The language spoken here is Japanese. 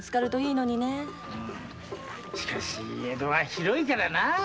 うんしかし江戸は広いからな。